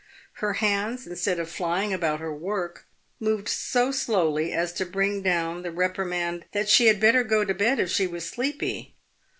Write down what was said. Her hands, instead of flying about her work, moved so slowly as to bring down the reprimand " that she had better go to bed if she was sleepy."